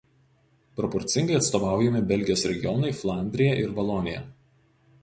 Proporcingai atstovaujami Belgijos regionai Flandrija ir Valonija.